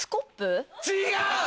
違う！